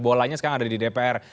bolanya sekarang ada di dpr